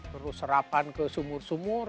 terus serapan ke sumur sumur